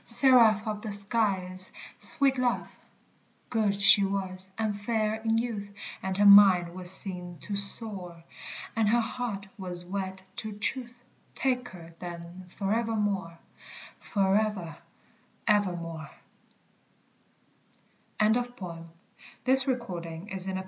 Seraph of the skies, sweet love! Good she was, and fair in youth; And her mind was seen to soar. And her heart was wed to truth: Take her, then, forevermore, Forever evermore BRYAN WALLER PROCTER (_Barry Cornwall.